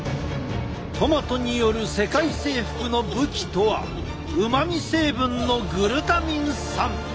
トマトによる世界征服の武器とはうまみ成分のグルタミン酸。